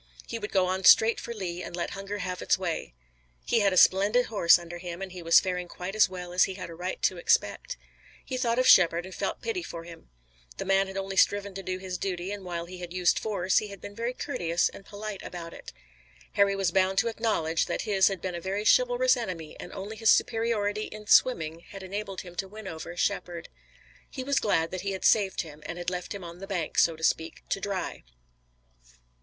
He would go on straight for Lee and let hunger have its way. He had a splendid horse under him and he was faring quite as well as he had a right to expect. He thought of Shepard, and felt pity for him. The man had only striven to do his duty, and while he had used force he had been very courteous and polite about it. Harry was bound to acknowledge that his had been a very chivalrous enemy and only his superiority in swimming had enabled him to win over Shepard. He was glad that he had saved him and had left him on the bank, so to speak, to dry.